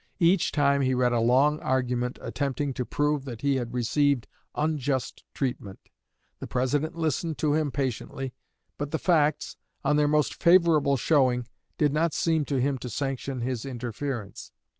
Each time he read a long argument attempting to prove that he had received unjust treatment. The President listened to him patiently; but the facts, on their most favorable showing, did not seem to him to sanction his interference.